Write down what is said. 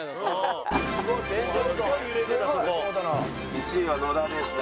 １位は野田でした。